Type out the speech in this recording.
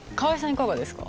いかがですか？